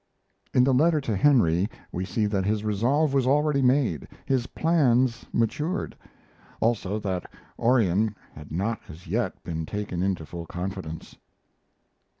In the letter to Henry we see that his resolve was already made, his plans matured; also that Orion had not as yet been taken into full confidence.